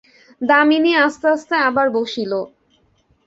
দামিনী আস্তে আস্তে আবার বসিল।